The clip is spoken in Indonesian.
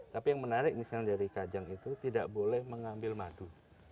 tapi yang menarik misalnya dari kajang itu tidak boleh mengambil madu